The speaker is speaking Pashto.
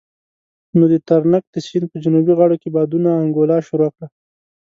نو د ترنک د سيند په جنوبي غاړو کې بادونو انګولا شروع کړه.